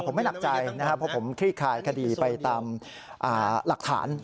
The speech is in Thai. ผมไม่หนักใจนะครับเพราะผมคลี่คลายคดีไปตามหลักฐาน